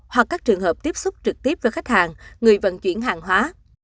hoặc các trường hợp tiếp xúc trực tiếp với khách hàng người vận chuyển hàng hóa